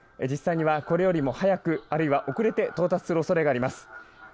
実際にはこれより早く、あるいは遅れて到達するおそれがあります。